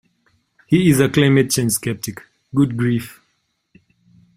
He is a climate change sceptic. Good grief!